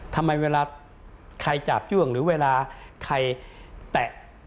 ทำไมเวลาใครจาบจ้วงหรือเวลาใครแตะ